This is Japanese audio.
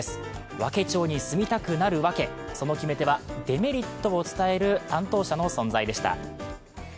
和気町に住みたくなるわけ、その決め手は、デメリットを伝える担当者の存在でした。